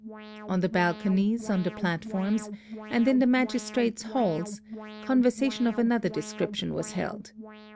On the balconies, on the platforms, and in the magistrates' halls, conversation of another description was held.